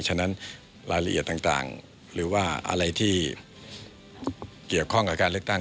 ฉะนั้นรายละเอียดต่างหรือว่าอะไรที่เกี่ยวข้องกับการเลือกตั้ง